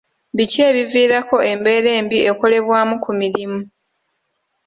Biki ebiviirako embeera embi ekolebwamu ku mirimu?